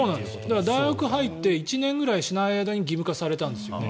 だから、大学入って１年ぐらいしない間に義務化されたんですよね。